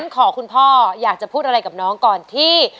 ขอคุณพ่ออยากจะพูดอะไรกับน้องก่อนที่